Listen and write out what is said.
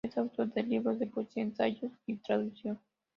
Es autor de libros de poesía, ensayo y traducción.